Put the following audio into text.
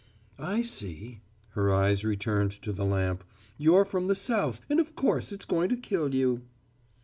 "I see." Her eyes returned to the lamp. "You're from the South, and of course it's going to kill you."